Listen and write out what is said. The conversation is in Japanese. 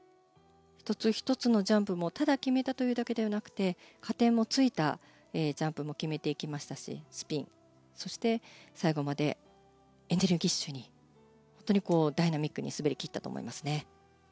１つ１つのジャンプもただ決めたというだけではなくて加点もついたジャンプも決めていきましたしスピン最後までエネルギッシュに本当にダイナミックに滑り切ったと思いますね。